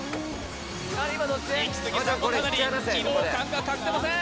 イキスギさんもかなり疲労感が隠せません